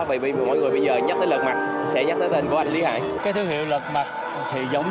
thì mọi người bây giờ nhắc tới lật mặt sẽ nhắc tới tên của anh lý hải cái thương hiệu lật mặt thì giống